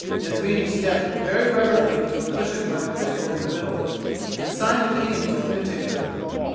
Yasmini stepped very reverently to a cushion by the crystal in the middle, and signed to King to imitate her.